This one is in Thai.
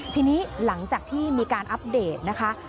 ทีนี้หลังจากที่มีการอัปเดตนะคะ